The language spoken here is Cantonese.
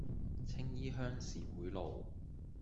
青衣鄉事會路